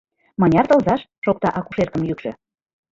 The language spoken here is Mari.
— Мыняр тылзаш? — шокта акушеркым йӱкшӧ.